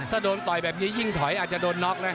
ถ้าโดนต่อยแบบนี้ยิ่งถอยอาจจะโดนน็อกนะ